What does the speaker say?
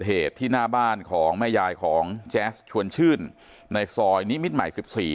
เหตุที่หน้าบ้านของแม่ยายของแจ๊สชวนชื่นในซอยนิมิตรใหม่๑๔